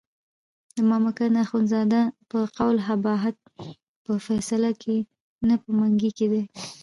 د مامدک اخندزاده په قول قباحت په فیصله کې نه په منګي کې دی.